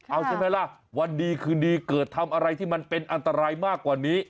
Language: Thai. เอาใช่ไหมล่ะวันดีคืนดีเกิดทำอะไรที่มันเป็นอันตรายมากกว่านี้